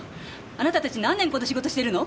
あなたたち何年この仕事してるの！